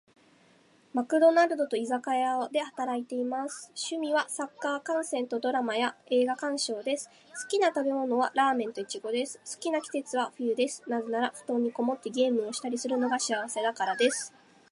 私は法政大学の学生です。社会学部で学んでいます。アルバイトはマクドナルドと居酒屋で働いています。趣味はサッカー観戦とドラマや映画鑑賞です。好きな食べ物はラーメンといちごです。好きな季節は冬です。なぜなら、布団にこもってゲームをしたりするのが幸せだからです。